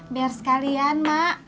biar sekalian mak